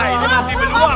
ini masih beruang